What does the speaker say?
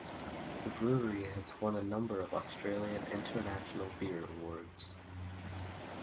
The brewery has won a number of Australian International Beer Awards.